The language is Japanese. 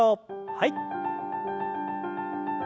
はい。